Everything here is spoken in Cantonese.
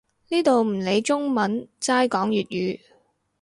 呢度唔理中文，齋講粵語